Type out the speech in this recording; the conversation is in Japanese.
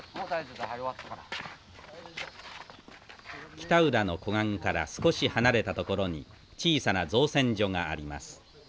北浦の湖岸から少し離れたところに小さな造船所があります。